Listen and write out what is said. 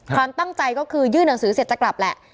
ความตั้งใจก็คือยื่นหนังสือเสร็จจะกลับแหละ